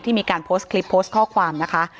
มีการโพสต์คลิปโพสต์ข้อความนะคะ